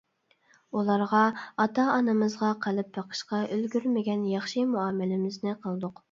ئۇلارغا ئاتا-ئانىمىزغا قىلىپ بېقىشقا ئۈلگۈرمىگەن ياخشى مۇئامىلىمىزنى قىلدۇق.